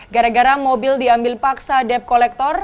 gara gara mobil diambil paksa dep kolektor